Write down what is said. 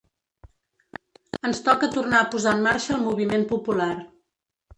Ens toca tornar a posar en marxa el moviment popular.